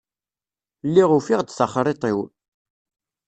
Lliɣ ufiɣ-d taxṛiṭ-iw.